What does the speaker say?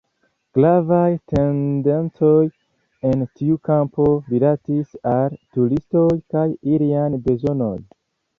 Gravaj tendencoj en tiu kampo rilatis al turistoj kaj iliaj bezonoj.